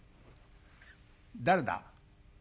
「誰だ？